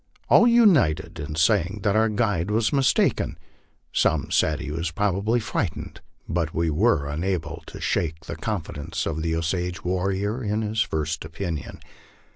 All united in saying that our guide was mis taken. Some said he was probably frightened, but we were unable to shake the confidence of the Osage warrior in his first opinion.